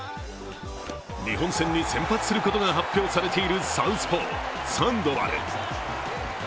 日本戦に先発することが発表されているサウスポー、サンドバル。